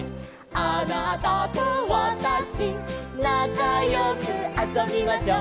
「あなたとわたし」「なかよくあそびましょう」